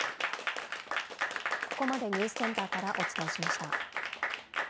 ここまでニュースセンターからお伝えしました。